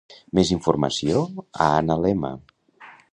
Més informació a analema.